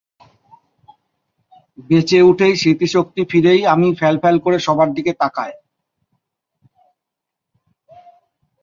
বেঁচে উঠেই স্মৃতিশক্তি ফিরেই আমি ফ্যাল ফ্যাল করে সবার দিকে তাকায়।